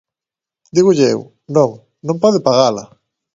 Dígolle eu: non, non pode pagala.